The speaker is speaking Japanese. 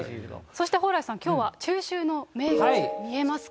そして蓬莱さん、きょうは中秋の名月、見えますか？